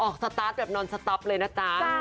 สตาร์ทแบบนอนสต๊อปเลยนะจ๊ะ